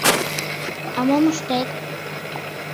А мом ыштет?